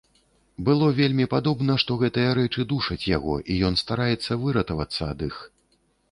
Было вельмі падобна, што гэтыя рэчы душаць яго і ён стараецца выратавацца ад іх.